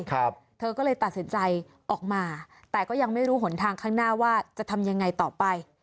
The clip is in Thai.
ครับเธอก็เลยตัดสินใจออกมาแต่ก็ยังไม่รู้หนทางข้างหน้าว่าจะทำยังไงต่อไป